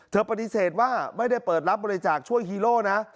ปฏิเสธว่าไม่ได้เปิดรับบริจาคช่วยฮีโร่นะ